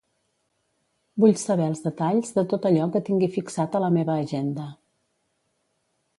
Vull saber els detalls de tot allò que tingui fixat a la meva agenda.